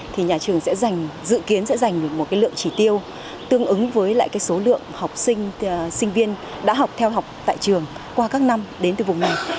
thì nhà trường sẽ dành dự kiến sẽ giành được một cái lượng chỉ tiêu tương ứng với lại cái số lượng học sinh sinh viên đã học theo học tại trường qua các năm đến từ vùng này